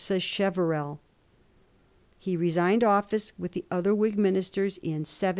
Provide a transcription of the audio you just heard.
Sacheverell. He resigned office with the other Whig ministers in 1710.